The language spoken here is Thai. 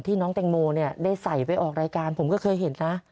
น้องแตงโมเนี่ยได้ใส่ไปออกรายการผมก็เคยเห็นนะ